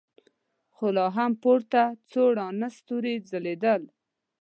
خو لا هم پورته څو راڼه ستورې ځلېدل.